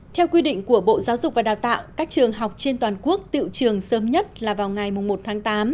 theo quy định của bộ giáo dục và đào tạo các trường học trên toàn quốc tự trường sớm nhất là vào ngày một tháng tám